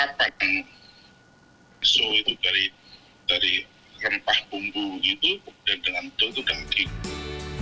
itu serapan so itu dari rempah bumbu gitu dan to itu ganti